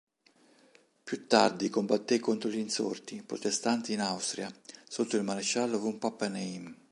Più tardi combatté contro gli insorti protestanti in Austria sotto il maresciallo von Pappenheim.